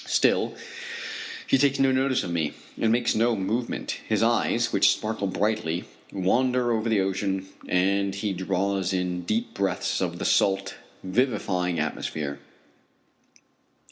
Still he takes no notice of me, and makes no movement. His eyes, which sparkle brightly, wander over the ocean, and he draws in deep breaths of the salt, vivifying atmosphere.